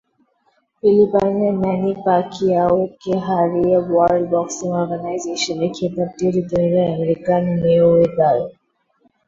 ফিলিপাইনের ম্যানি প্যাকিয়াওকে হারিয়ে ওয়ার্ল্ড বক্সিং অর্গানাইজেশনের খেতাবটিও জিতে নিলেন আমেরিকান মেওয়েদার।